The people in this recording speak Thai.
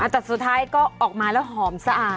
แต่สุดท้ายก็ออกมาแล้วหอมสะอาด